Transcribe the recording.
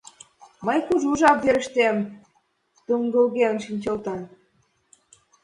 Мый кужу жап верыштем тӱҥгылген шинчылтым.